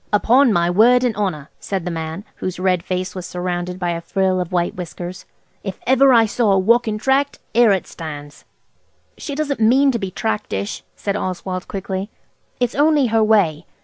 "Upon my word an' 'onner!" said the man, whose red face was surrounded by a frill of white whiskers. "If ever I see a walkin' Tract 'ere it stands!" "She doesn't mean to be tractish," said Oswald quickly; "it's only her way.